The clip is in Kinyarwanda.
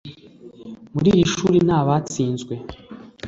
Muri iri shuri ntabatsinzwe